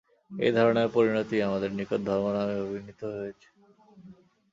এই ধারণার পরিণতিই আমাদের নিকট ধর্ম নামে অভিহিত হইয়াছে।